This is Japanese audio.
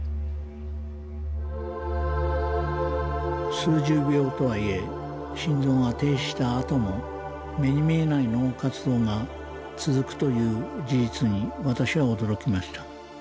数十秒とはいえ心臓が停止した後も目に見えない脳活動が続くという事実に私は驚きました。